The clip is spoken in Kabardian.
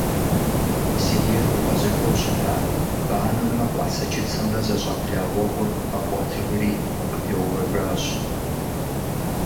Си деж укъэзышэу щыта, банэмрэ къуацэ-чыцэмрэ зэщӀабла гъуэгур къэбгъуэтыжри, укъытеувэжащ.